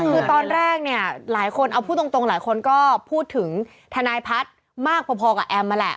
คือตอนแรกเนี่ยหลายคนเอาพูดตรงหลายคนก็พูดถึงทนายพัฒน์มากพอกับแอมมาแหละ